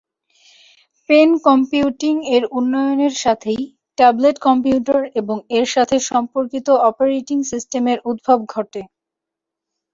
Pen computing এর উন্নয়নের সাথেই ট্যাবলেট কম্পিউটার এবং এর সাথে সম্পর্কিত অপারেটিং সিস্টেমের উদ্ভব ঘটে।